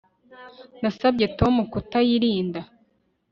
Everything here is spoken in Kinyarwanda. Nasabye Tom kutayirinda